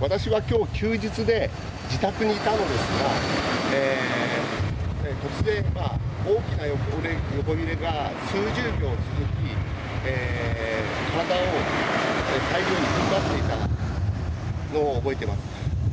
私はきょう休日で自宅にいたんですが突然、大きな横揺れが数十秒続き、体をふんばっていたのを覚えています。